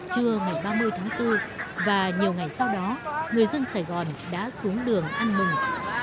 trưa ngày ba mươi tháng bốn và nhiều ngày sau đó người dân sài gòn đã xuống đường ăn mừng